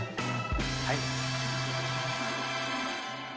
はい。